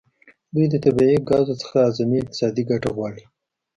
دوی د طبیعي ګازو څخه اعظمي اقتصادي ګټه غواړي